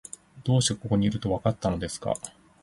どうしてここにいると、わかったのですか？